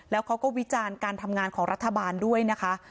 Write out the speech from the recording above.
แล้วเขาก็วิจารณ์การทำงานของรัฐบาลด้วยนะคะ